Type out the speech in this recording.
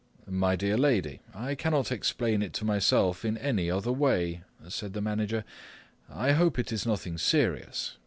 "My dear lady, I cannot explain it to myself in any other way," said the manager; "I hope it is nothing serious.